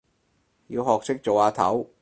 要學識做阿頭